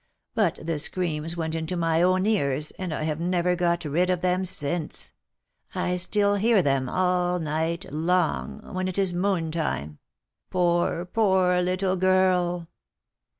But the screams went into my own ears, and I have never got rid of them since. I still hear them, all night long, when it is moon time. Poor, poor little girl